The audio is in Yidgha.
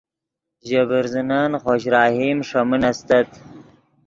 ژے برزنن خوش رحیم ݰے من استت